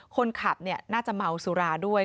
คนขับน่าจะเมาสุราด้วย